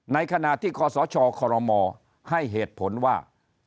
ในขณะที่คศครมให้เหตุผลว่า